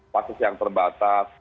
fasis yang terbatas